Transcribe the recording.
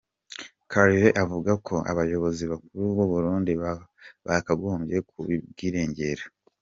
Colville avuga ko abayobozi bakuru b’ u Burundi bakagombye kubwirengera.